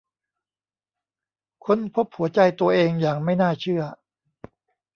ค้นพบหัวใจตัวเองอย่างไม่น่าเชื่อ